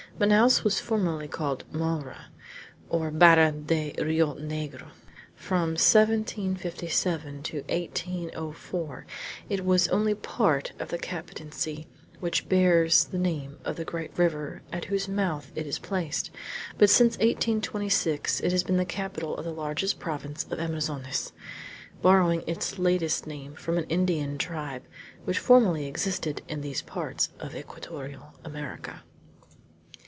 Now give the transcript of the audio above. Manaos was formerly called Moura, or Barra de Rio Negro. From 1757 to 1804 it was only part of the captaincy which bears the name of the great river at whose mouth it is placed; but since 1826 it has been the capital of the large province of Amazones, borrowing its latest name from an Indian tribe which formerly existed in these parts of equatorial America.